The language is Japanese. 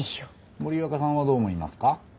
森若さんはどう思いますか？